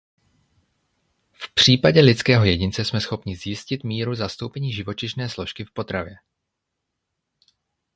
V případě lidského jedince jsme schopni zjistit míru zastoupení živočišné složky v potravě.